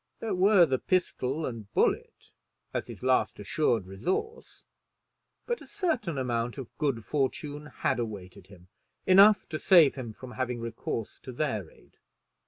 There were the pistol and bullet as his last assured resource; but a certain amount of good fortune had awaited him, enough to save him from having recourse to their aid.